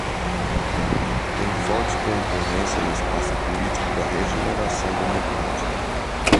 Tem forte concorrência no espaço político da regeneração democrática.